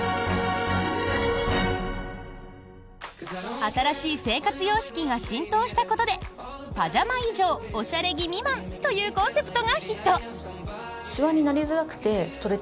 新しい生活様式が浸透したことでパジャマ以上・おしゃれ着未満というコンセプトがヒット。